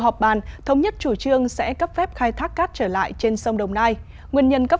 họp bàn thống nhất chủ trương sẽ cấp phép khai thác cát trở lại trên sông đồng nai nguyên nhân cấp